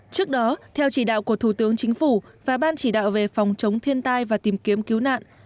trước đó theo chỉ đạo của thủ tướng chính phủ và ban chỉ đạo về phòng chống thiên tai và tìm kiếm cứu nạn